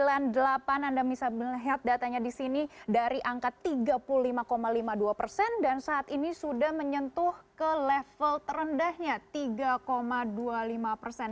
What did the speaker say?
anda bisa melihat datanya di sini dari angka tiga puluh lima lima puluh dua persen dan saat ini sudah menyentuh ke level terendahnya tiga dua puluh lima persen